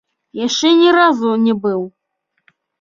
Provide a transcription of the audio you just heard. Яшчэ ні разу не быў.